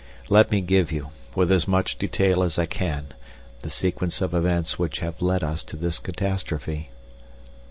Let me give you, with as much detail as I can, the sequence of events which have led us to this catastrophe.